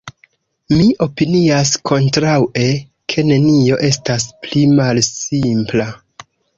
Mi opinias kontraŭe, ke nenio estas pli malsimpla.